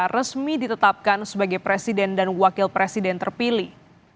resmi ditetapkan sebagai presiden dan wakil presiden terpilih